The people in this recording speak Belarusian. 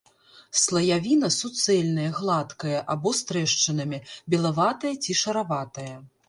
Слаявіна суцэльная гладкая або з трэшчынамі, белаватая ці шараватая.